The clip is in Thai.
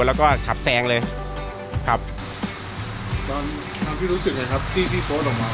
แล้วก็ขับแซงเลยครับตอนทางพี่รู้สึกเลยครับที่พี่โพสต์ลงมา